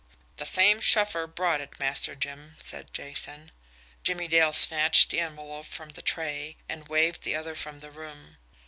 "The same shuffer brought it, Master Jim," said Jason. Jimmie Dale snatched the envelope from the tray, and waved the other from the room.